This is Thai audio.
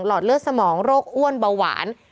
อดเลือดสมองโรคอ้วนเบาหวาน